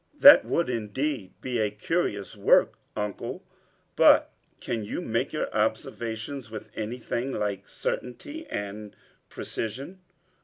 "That would indeed be a curious work, Uncle; but can you make your observations with anything like certainty and precision?"